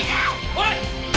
おい！